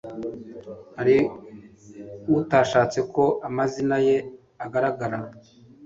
hari utashatse ko amazina ye agaragara